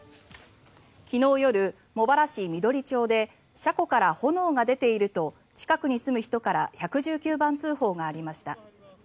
昨日夜、茂原市緑町で車庫から炎が出ていると近くに住む人から１１９番通報がありました。